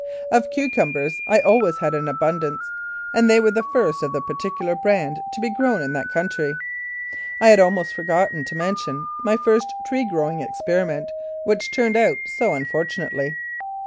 Of cucumbers I always had an abundance, and they were the first of the particular brand to be grown in that country. I had almost forgotten to mention my first tree growing experiment which turned out so unfortunately.